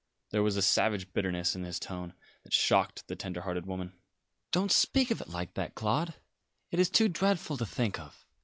There was a savage bitterness in his tone that shocked the tender hearted woman. "Don't speak of it like that, Claude. It is too dreadful to think of.